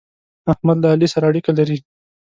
احمد له علي سره اړېکې لري.